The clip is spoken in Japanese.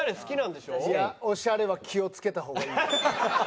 いや「オシャレ」は気をつけた方がいい。